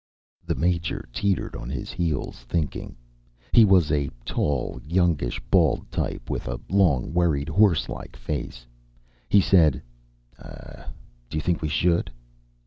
The Major teetered on his heels, thinking. He was a tall, youngish bald type, with a long, worried, horselike face. He said: "Ah, do you think we should?"